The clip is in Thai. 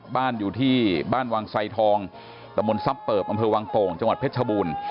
บ้านอยู่ที่บ้านวังไซทองตะมนซับเปิบอำเภอวังโป่งจังหวัดเพชรชบูรณ์